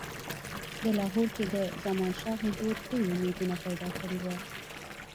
د لاهور کې د زمانشاه حضور ډېر امیدونه پیدا کړي وه.